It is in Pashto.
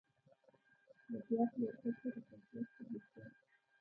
د بیا پلور کچه د کیفیت ثبوت دی.